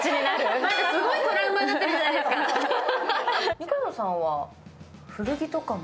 二階堂さんは古着とかも？